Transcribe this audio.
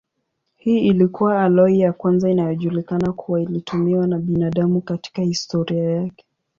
Hii ilikuwa aloi ya kwanza inayojulikana kuwa ilitumiwa na binadamu katika historia yake.